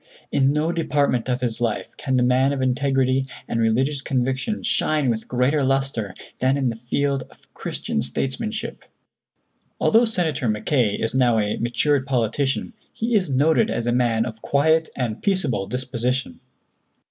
In no department of his life can the man of integrity and religious conviction shine with greater lustre than in the field of Christian statesmanship." Although Senator Mackay is now a matured politician, he is noted as a man of quiet and peaceable disposition.